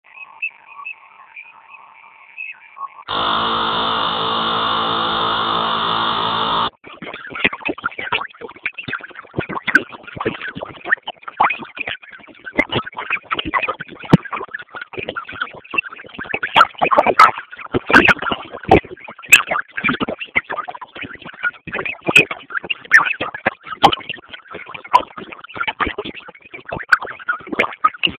Pori ina isha mu mukini bantu bana shinda ku rima